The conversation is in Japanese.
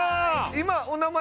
今お名前